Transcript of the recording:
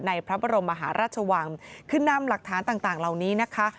พระบรมมหาราชวังคือนำหลักฐานต่างเหล่านี้นะคะ